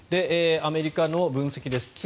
アメリカの分析です。